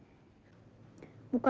di allah you can